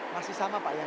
masih sama pak ya